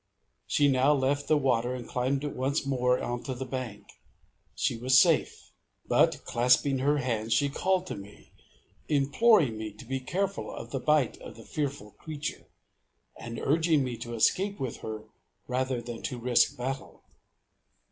She now left the water, and climbed once more onto the bank; she was safe. But, clasping her hands, she called to me, imploring me to be careful of the bite of the fearful creature, and urging me to escape with her rather than to risk a battle.